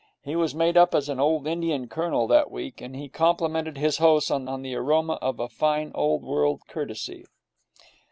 He was made up as an old Indian colonel that week, and he complimented his host on the aroma with a fine old world courtesy.